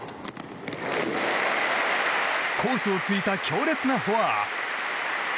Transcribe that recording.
コースを突いた強烈なフォア！